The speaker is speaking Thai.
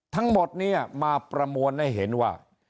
ทั้งหมดนี้มาประมวลให้เห็นว่า